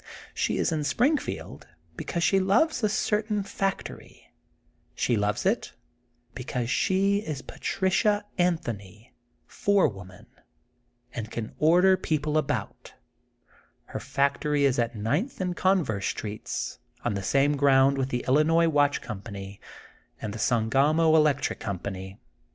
She is in Springfield because she loves a certain fac tory. She loves it because she is Patricia 26 THE GOLDEN BOOK OF SPRINGFIELD Anihony, forewoman, and can order people about. Her factory is at Ninth and Converse Streets, on the same ground with The Illinois Watch Company and The Sangamo Electric Company.